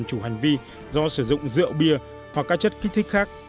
chủ hành vi do sử dụng rượu bia hoặc các chất kích thích khác